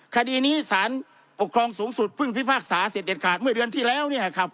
คดีนี้ศาลปกครองสูงสุดพึ่งพิพากษาเสร็จเด็ดขาดเมื่อเดือนที่แล้ว